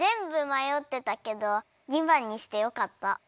まよってたけど２ばんにしてよかった。